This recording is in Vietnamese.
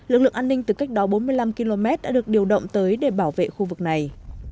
lực lượng an ninh từ cách đó bốn mươi năm km đã được điều động tới để bảo vệ khu vực này